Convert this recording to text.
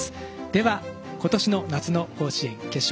では今年の夏の甲子園決勝